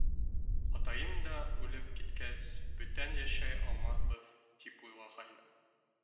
Атайым да үлеп киткәс, бүтән йәшәй алмаҫбыҙ тип уйлағайным.